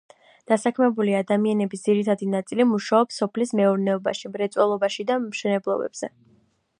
დასაქმებული ადამიანების ძირითადი ნაწილი მუშაობს სოფლის მეურნეობაში, მრეწველობაში და მშენებლობებზე.